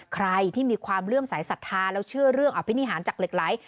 ใครที่มีความเลื่อมสายศรัทธาแล้วเชื่อเรื่องอภินิหารจากเหล็กไหล